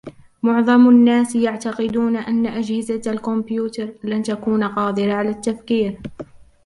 معظم الناس يعتقدون أن أجهزة الكمبيوتر لن تكون قادرة على التفكير.